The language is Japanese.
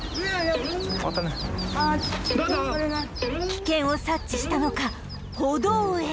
危険を察知したのか歩道へ